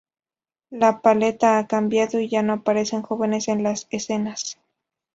La paleta ha cambiado, y ya no aparecen jóvenes en las escenas.